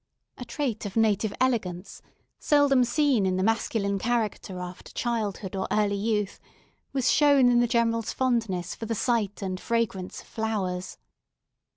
A trait of native elegance, seldom seen in the masculine character after childhood or early youth, was shown in the General's fondness for the sight and fragrance of flowers.